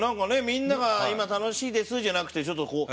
みんなが「今楽しいです」じゃなくてちょっとこう